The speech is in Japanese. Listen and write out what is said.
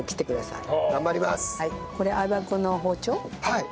はい。